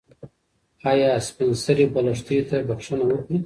ایا سپین سرې به لښتې ته بښنه وکړي؟